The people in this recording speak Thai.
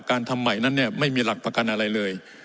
ทำใหม่นั้นเนี่ยไม่มีหลักประกันอะไรเลย